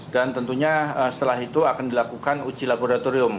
dan tentunya setelah itu akan dilakukan uji laboratorium